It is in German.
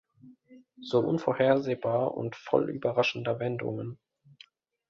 So unvorhersehbar und voll überraschender Wendungen.